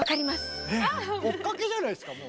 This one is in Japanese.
えっ追っかけじゃないですかもう。